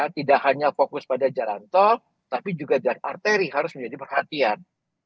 tidak hanya fokus pada jalan tol tapi juga jalan arteri harus menjadi perhatian